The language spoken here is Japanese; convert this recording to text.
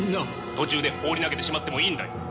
途中で放り投げてしまってもいいんだよ。